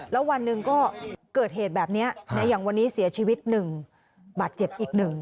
แล้ววันหนึ่งก็เกิดเหตุแบบนี้อย่างวันนี้เสียชีวิต๑บาดเจ็บอีก๑